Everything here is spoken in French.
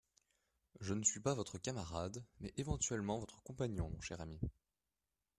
Je ne suis pas votre camarade mais, éventuellement, votre compagnon, cher ami.